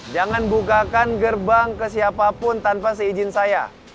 jangan bukakan gerbang ke siapapun tanpa seizin saya